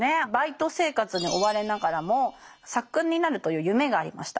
バイト生活に追われながらも作家になるという夢がありました。